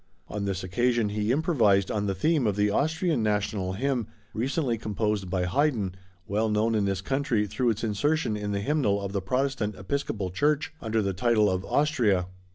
On this occasion he improvised on the theme of the Austrian National Hymn, recently composed by Haydn, well known in this country through its insertion in the Hymnal of the Protestant Episcopal Church, under the title of Austria.